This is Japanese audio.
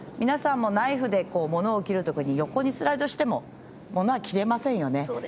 皆さんもナイフで物を切るときに横にスライドしても物は切れませんよね。